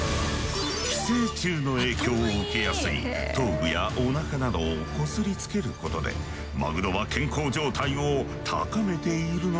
寄生虫の影響を受けやすい頭部やおなかなどを擦りつけることでマグロは健康状態を高めているのだそう。